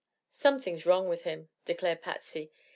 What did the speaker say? "Something's wrong with him," declared Patsy.